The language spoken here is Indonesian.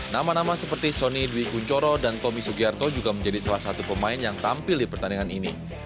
nama nama seperti sony dwi kunchoro dan tommy sugiarto juga menjadi salah satu pemain yang tampil di pertandingan ini